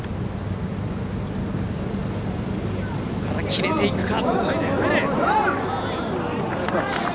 切れていくか。